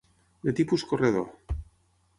De tipus corredor.